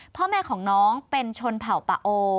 พ่อแม่ของน้องเป็นชนเผ่าปะโอ